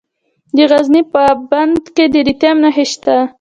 د غزني په اب بند کې د لیتیم نښې شته.